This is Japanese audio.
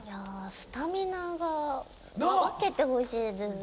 スタミナが分けてほしいです